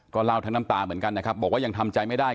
เล่าทั้งน้ำตาเหมือนกันนะครับบอกว่ายังทำใจไม่ได้